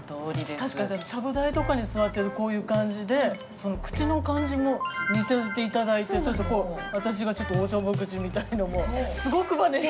確かにちゃぶ台とかに座ってるとこういう感じで口の感じも似せて頂いてちょっとこう私がちょっとおちょぼ口みたいのもすごくまねして。